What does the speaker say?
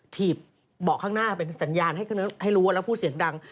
ถีบเบาะข้างหน้าเป็นสัญญาณให้รู้ว่าแล้วพูดเสียงดัง